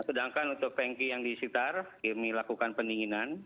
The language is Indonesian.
sedangkan untuk tanki yang disitar kami lakukan pendinginan